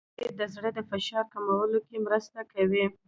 غوړې د زړه د فشار کمولو کې مرسته کوي.